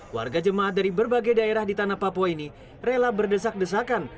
warga jemaat dari berbagai daerah di tanah papua ini rela berdesak desakan